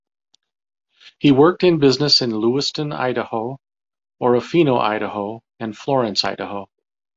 He worked in business in Lewiston, Idaho; Orofino, Idaho; and Florence, Idaho.